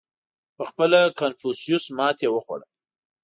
• پهخپله کنفوسیوس ماتې وخوړه.